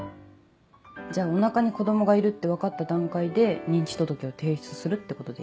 じゃあお腹に子供がいるって分かった段階で認知届を提出するってことでいい？